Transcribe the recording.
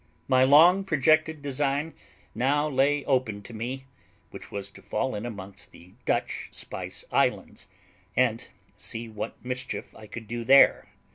My long projected design now lay open to me, which was to fall in amongst the Dutch Spice Islands, and see what mischief I could do there.